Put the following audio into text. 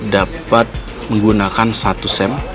dapat menggunakan satu sem